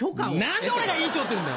何で俺が委員長って言うんだよ！